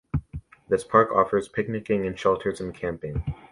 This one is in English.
This park offers picnicking in shelters and camping.